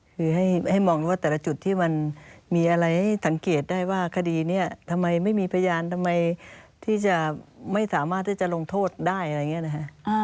คือให้มองดูว่าแต่ละจุดที่มันมีอะไรให้สังเกตได้ว่าคดีนี้ทำไมไม่มีพยานทำไมที่จะไม่สามารถที่จะลงโทษได้อะไรอย่างนี้นะฮะ